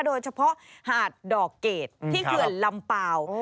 โดยเฉพาะหาดดอกเกดที่เขื่อนลำเปล่า